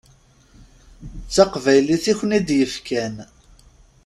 D taqbaylit i ken-id-yefkan.